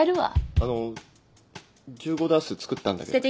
あの１５ダース作ったんだけど。